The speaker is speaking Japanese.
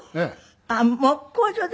あっ木工所で？